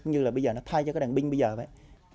như là bây giờ nó thay cho cái đàn binh bây giờ đấy